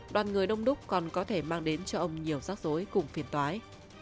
đoàn người đông đúc còn có thể mang đến cho ông nhiều rắc rối cùng phiền toái